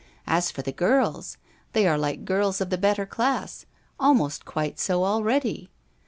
As for the girls, they are like girls of the better class almost quite so already.